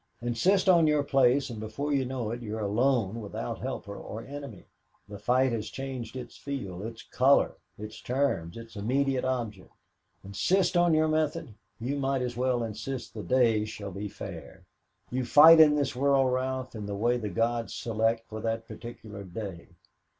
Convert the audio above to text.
Insist on your place, and before you know it you are alone without helper or enemy the fight has changed its field, its colors, its terms, its immediate object. Insist on your method! You might as well insist the day shall be fair. You fight in this world, Ralph, in the way the gods select for that particular day.